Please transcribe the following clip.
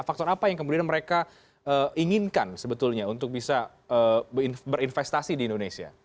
faktor apa yang kemudian mereka inginkan sebetulnya untuk bisa berinvestasi di indonesia